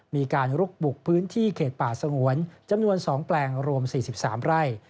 มีการลุกบุกพื้นที่เขตป่าสงวนจำนวน๒แปลงรวม๔๓ไร่